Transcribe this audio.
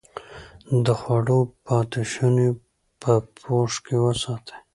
د خوړو پاتې شوني په پوښ کې وساتئ.